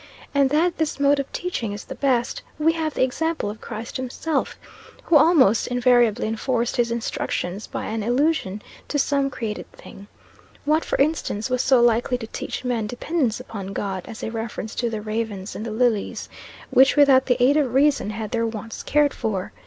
And that this mode of teaching is the best, we have the example of Christ himself, who almost invariably enforced his instructions by an allusion to some created thing. What, for instance, was so likely to teach men dependence upon God as a reference to the 'ravens and the lilies,' which without the aid of reason had their wants cared for?